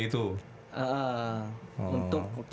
untuk waktu itu keceblos